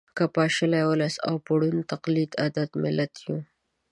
که پاشلی ولس او په ړوند تقلید عادت ملت یو